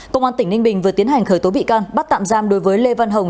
công an tỉnh ninh bình vừa tiến hành khởi tố bị can bắt tạm giam đối với lê văn hồng